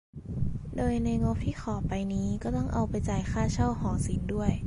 โดยในงบที่ขอไปนี่ก็ต้องเอาไปจ่ายค่าเช่าหอศิลป์ด้วย